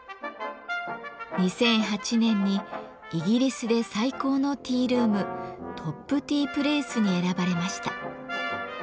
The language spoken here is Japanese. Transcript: ２００８年にイギリスで最高のティールームトップ・ティープレイスに選ばれました。